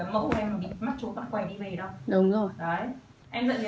mẫu của em bị mắt chốp bắt quẹt đi về đâu